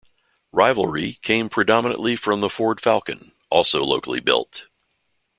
Rivalry came predominantly from the Ford Falcon—also locally built.